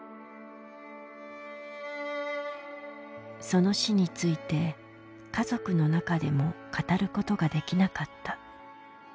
その死について家族の中でも語ることができなかった。